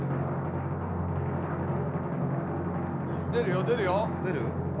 出るよ出るよ！